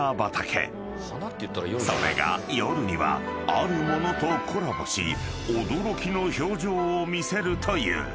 ［それが夜にはあるものとコラボし驚きの表情を見せるという］